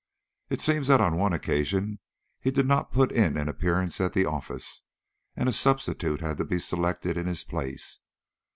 It seems that on one occasion he did not put in an appearance at the office, and a substitute had to be selected in his place.